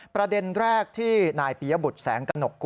ประเด็นแรกที่นายปียบุตรแสงกระหนกกุ